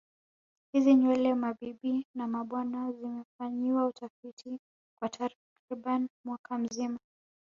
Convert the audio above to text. Hizi nywele mabibi na mabwana zimefanyiwa utafiti kwa takriban mwaka mzima